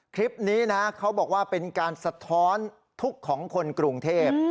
คลิปนี้นะเขาบอกว่าเป็นการสะท้อนทุกข์ของคนกรุงเทพ